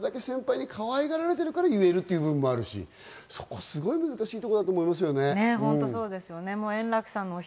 それだけ先輩にかわいがられてるから言えるっていう部分もあるし、そこがすごい難しいところだと思いますね。